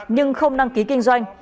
nhưng không đăng ký kinh doanh